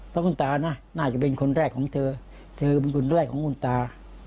เพราะคุณตานะน่าจะเป็นคนแรกของเธอเธอเป็นคนแรกของคุณตา